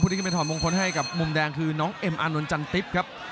พูดนี้ก็เป็นทอนมงคลให้กับมุมแดงคือน้องเอ็มอานุนจันทริปครับ